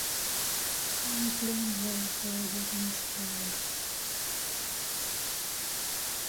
Can’t blame her for getting scared!